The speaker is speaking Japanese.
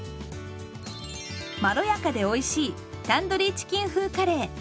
まろやかでおいしい「タンドリーチキン風カレー」。